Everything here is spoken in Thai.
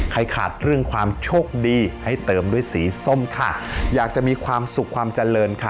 ขาดเรื่องความโชคดีให้เติมด้วยสีส้มค่ะอยากจะมีความสุขความเจริญค่ะ